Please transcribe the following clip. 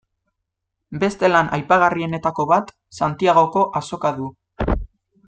Beste lan aipagarrienetako bat Santiagoko azoka du.